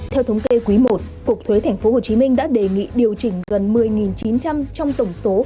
theo thống kê quý i cục thuế tp hcm đã đề nghị điều chỉnh gần một mươi chín trăm linh trong tổng số